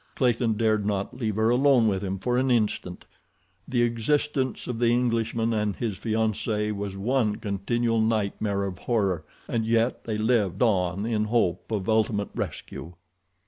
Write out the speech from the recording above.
Clayton dared not leave her alone with him for an instant. The existence of the Englishman and his fiancee was one continual nightmare of horror, and yet they lived on in hope of ultimate rescue.